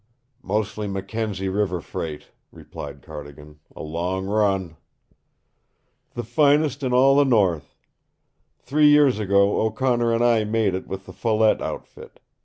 "Mostly Mackenzie River freight," replied Cardigan. "A long run." "The finest in all the North. Three years ago O'Connor and I made it with the Follette outfit.